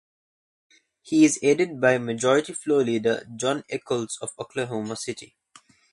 He is aided by Majority Floor Leader Jon Echols of Oklahoma City.